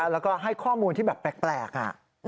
แล้วก็ให้ข้อมูลที่แบบแปลก